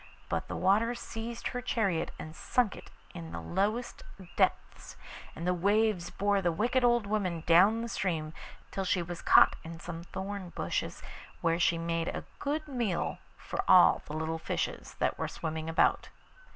But the waters seized her chariot and sunk it in the lowest depths, and the waves bore the wicked old woman down the stream till she was caught in some thorn bushes, where she made a good meal for all the little fishes that were swimming about.